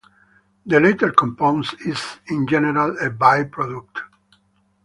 The latter compound is in general a by-product.